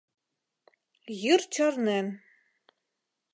Йӱр чарнен.